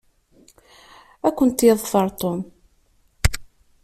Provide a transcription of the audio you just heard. Ad kent-yeḍfer Tom.